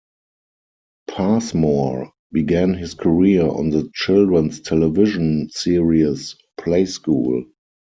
Passmore began his career on the children's television series "Play School".